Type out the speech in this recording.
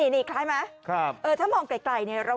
นี่คล้ายไหมถ้ามองไกลเราคิดว่า